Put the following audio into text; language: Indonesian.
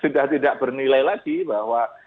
sudah tidak bernilai lagi bahwa